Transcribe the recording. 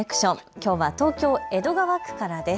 きょうは東京江戸川区からです。